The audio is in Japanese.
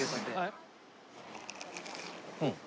うん！